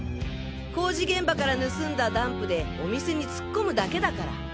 工事現場から盗んだダンプでお店に突っ込むだけだから。